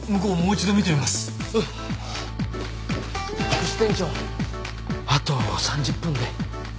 副支店長あと３０分で。